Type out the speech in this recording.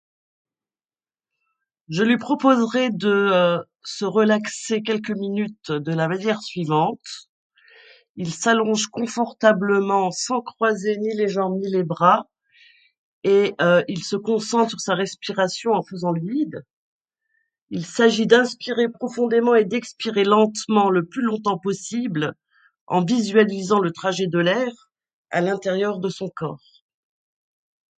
Je lui proposerai de, euh, se relaxer quelques minutes de la manière suivante : il s'allonge confortablement, sans croiser ni les jambes ni les bras, et , euh, il se concentre sur sa respiration en faisant le vide. Il s'agit d'inspirer profondément et d'expirer lentement le plus longtemps possible en visualisant le trajet de l'air à l'intérieur de son corps.